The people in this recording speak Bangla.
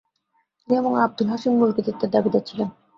তিনি এবং আবুল হাশিম মূল কৃতিত্বের দাবিদার ছিলেন।